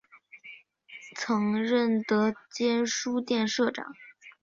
曾任德间书店社长。